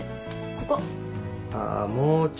ここ？